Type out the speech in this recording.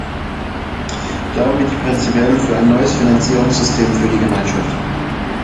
Darum bin ich prinzipiell für ein neues Finanzierungssystem für die Gemeinschaft.